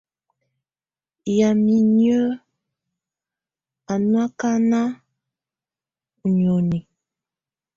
Yamɛ̀á inyǝ́ á nɔ̀ akana ù nioni.